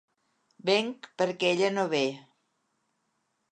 Venc perquè ella no ve.